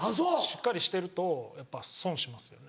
しっかりしてるとやっぱ損しますよね。